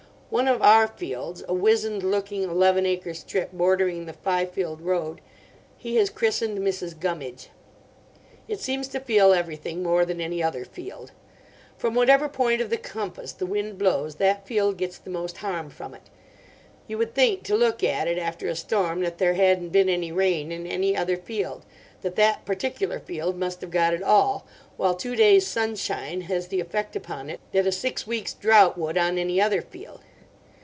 One of our fields—a wizened looking eleven acre strip bordering the Fyfield road—he has christened Mrs. Gummidge: it seems to feel everything more than any other field. From whatever point of the compass the wind blows that field gets the most harm from it. You would think to look at it after a storm that there hadn't been any rain in any other field—that that particular field must have got it all; while two days' sunshine has the effect upon it that a six weeks' drought would on any other field.